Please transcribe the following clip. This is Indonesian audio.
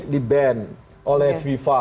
di ban oleh fifa